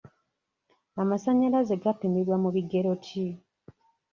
Amasanyalaze gapimibwa mu bigero ki?